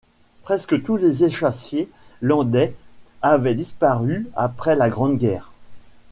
Presque tous les échassiers landais avaient disparu après la Grande Guerre.